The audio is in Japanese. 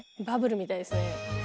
バブルみたいですね。